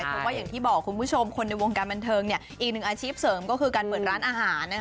เพราะว่าอย่างที่บอกคุณผู้ชมคนในวงการบันเทิงอีกหนึ่งอาชีพเสริมก็คือการเปิดร้านอาหาร